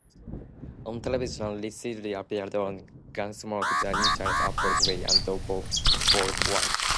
On television, Reischl appeared on "Gunsmoke", "The Interns", "Apple's Way" and "The Bold Ones".